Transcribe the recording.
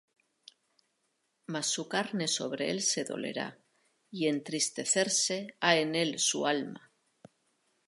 Mas su carne sobre él se dolerá, Y entristecerse ha en él su alma.